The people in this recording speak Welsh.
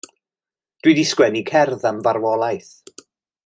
Dw i 'di sgwennu cerdd am farwolaeth.